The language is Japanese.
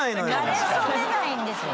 なれそめないんですよ。